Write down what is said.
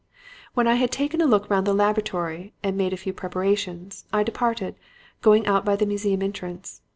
"When I had taken a look round the laboratory and made a few preparations, I departed, going out by the museum entrance.